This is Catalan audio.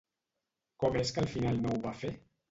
Com és que al final no ho va fer?